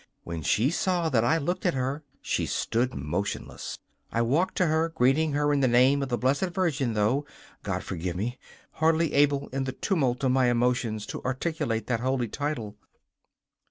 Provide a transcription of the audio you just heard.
When she saw that I looked at her she stood motionless. I walked to her, greeting her in the name of the Blessed Virgin, though, God forgive me! hardly able in the tumult of my emotions to articulate that holy title.